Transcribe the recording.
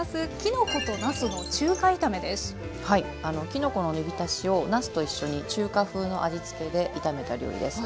きのこの煮びたしをなすと一緒に中華風の味付けで炒めた料理です。